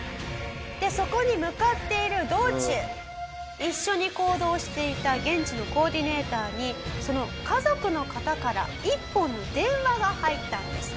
そこに向かっている道中一緒に行動していた現地のコーディネーターにその家族の方から１本の電話が入ったんです。